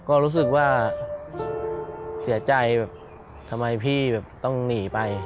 ก็รู้สึกว่าเสียใจแบบทำไมพี่แบบต้องหนีไป